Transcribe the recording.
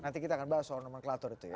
nanti kita akan bahas soal nomor klator itu ya